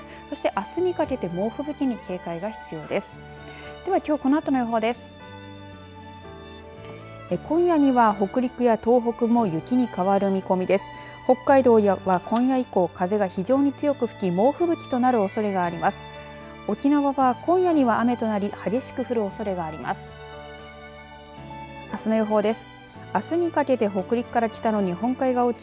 そしてあすにかけて猛吹雪に警戒が必要です。